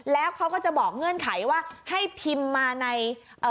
แล้วเขาก็จะบอกเงื่อนไขว่าให้พิมพ์มาในเอ่อ